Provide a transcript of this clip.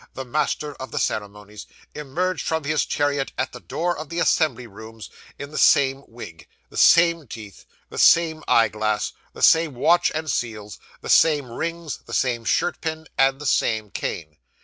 the Master of the Ceremonies, emerged from his chariot at the door of the Assembly Rooms in the same wig, the same teeth, the same eye glass, the same watch and seals, the same rings, the same shirt pin, and the same cane.